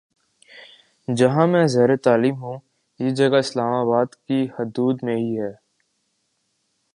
جہاں میں زیرتعلیم ہوں یہ جگہ اسلام آباد کی حدود میں ہی ہے